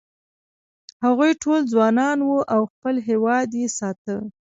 هغوی ټول ځوانان و او خپل هېواد یې ساته.